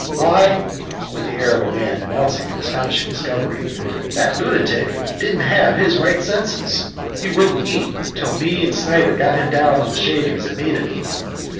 Why" (with the air of a man announcing an astounding discovery), "that lunatic didn't have his right senses! He wouldn't eat, till me and Snyder got him down on the shavings and made him eat."